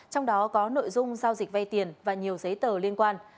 trong đó có nội dung giao dịch vay tiền và nhiều giấy tờ liên quan